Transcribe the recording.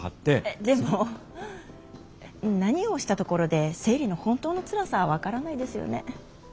でも何をしたところで生理の本当のつらさは分からないですよね。